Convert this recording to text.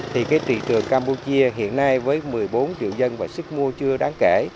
thì cái thị trường campuchia hiện nay với một mươi bốn triệu dân và sức mua chưa đáng kể